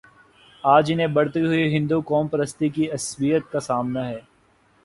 آج انہیں بڑھتی ہوئی ہندوقوم پرستی کی عصبیت کا سامنا ہے۔